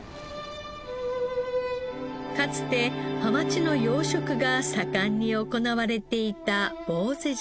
かつてハマチの養殖が盛んに行われていた坊勢島。